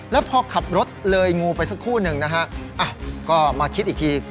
แล้วพอขับรถเลยงูไปสักคู่หนึ่งนะฮะก็มาคิดอีกที